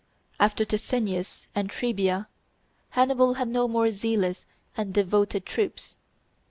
After Ticinus and Trebia, Hannibal had no more zealous and devoted troops.